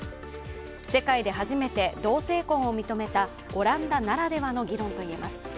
世界で初めて同性婚を認めたオランダならではの議論といえます。